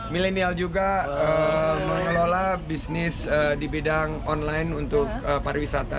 milenial juga mengelola bisnis di bidang online untuk pariwisata